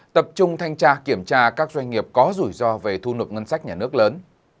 tập trung thanh tra kiểm tra các doanh nghiệp có rủi ro về thu nộp ngân sách nhà nước lớn